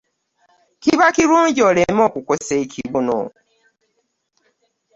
Kiba kirungi oleme okukosa ekibuno.